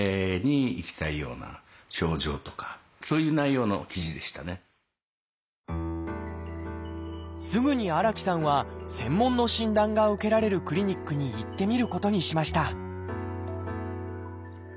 私が悩んでるすぐに荒木さんは専門の診断が受けられるクリニックに行ってみることにしました